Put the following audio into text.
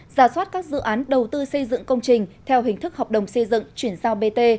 giả soát các dự án đầu tư xây dựng công trình theo hình thức hợp đồng xây dựng chuyển giao bt